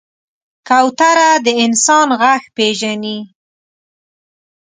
کوتره د انسان غږ پېژني.